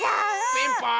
ピンポーン！